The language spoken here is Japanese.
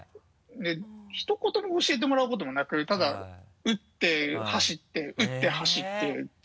ひと言も教えてもらう事もなくただ打って走って打って走ってって。